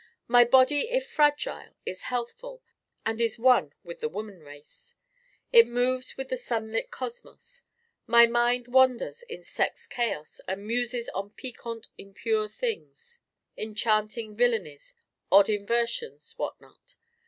My Body if fragile is healthful, and is one with the woman race: it moves with the sunlit cosmos. My Mind wanders in sex chaos and muses on piquant impure things, enchanting villainies, odd inversions, whatnot.